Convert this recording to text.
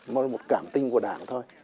mà là một cảm tình của đảng thôi